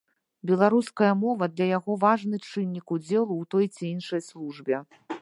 Беларуская мова для яго важны чыннік удзелу ў той ці іншай службе.